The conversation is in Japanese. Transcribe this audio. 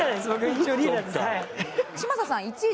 一応リーダーですはい。